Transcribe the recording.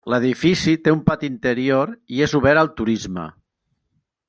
L'edifici té un pati interior i és obert al turisme.